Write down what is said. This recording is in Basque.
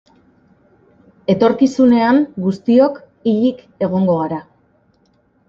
Etorkizunean guztiok hilik egongo gara.